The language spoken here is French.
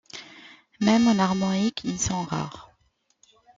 Même en Armorique, ils sont rares.